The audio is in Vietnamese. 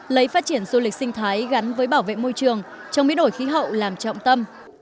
lấy phát triển du lịch sinh thái gắn với bảo vệ môi trường trong biến đổi khí hậu làm trọng tâm